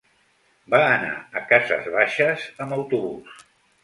Va anar a Cases Baixes amb autobús.